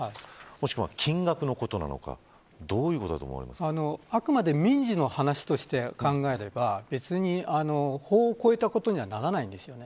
もしくは金額のことなのかあくまで民事の話として考えれば別に法を超えたことにはならないんですよね。